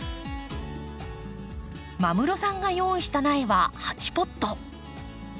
間室さんが用意した苗は８ポット。